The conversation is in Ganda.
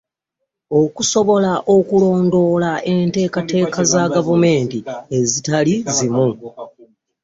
Okusobola okulondoola enteekateeka za gavumenti ezitali zimu.